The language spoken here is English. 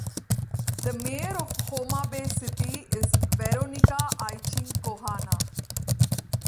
The mayor of Homa Bay city is Veronica Achieng' Kohana.